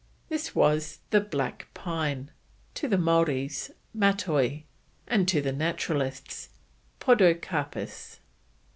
This was the Black Pine; to the Maoris, Matoi, and to the naturalist, Podocarpus.